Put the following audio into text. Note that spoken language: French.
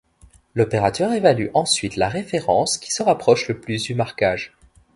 L'opérateur évalue ensuite la référence qui se rapproche le plus du marquage.